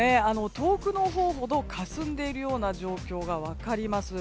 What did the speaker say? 遠くのほうほどかすんでいるような状況が分かります。